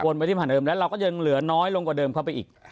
ไปที่ผ่านเดิมแล้วเราก็ยังเหลือน้อยลงกว่าเดิมเข้าไปอีก